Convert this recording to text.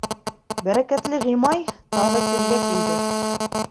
Бәрәкәтле Ғимай тағы телгә килде: